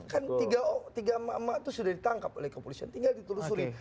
kan tiga emak emak itu sudah ditangkap oleh kepolisian tinggal ditelusuri